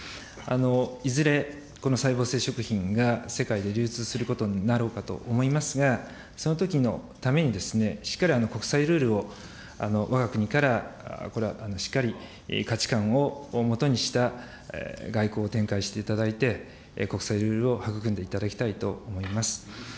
いずれこの細胞性食品が世界で流通することになろうかと思いますが、そのときのために、しっかり国際ルールを、わが国から、これはしっかり、価値観をもとにした外交を展開していただいて、国際ルールを育んでいただきたいと思います。